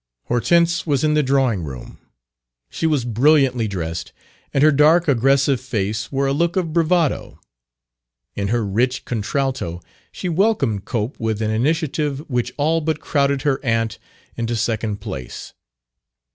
Hortense was in the drawing room. She was brilliantly dressed, and her dark aggressive face wore a look of bravado. In her rich contralto she welcomed Cope with an initiative which all but crowded her aunt into second place.